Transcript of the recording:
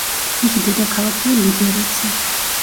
მისი დედაქალაქია ლიბერეცი.